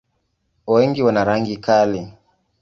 Wengi wana rangi kali.